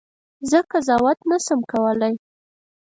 زه قضاوت نه سم کولای.